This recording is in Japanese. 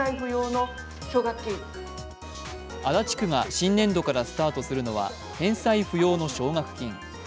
足立区が新年度からスタートするのは返済不要の奨学金。